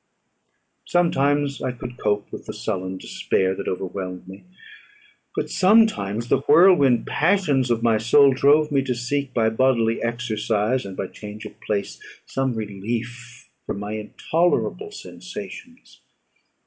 Sometimes I could cope with the sullen despair that overwhelmed me: but sometimes the whirlwind passions of my soul drove me to seek, by bodily exercise and by change of place, some relief from my intolerable sensations.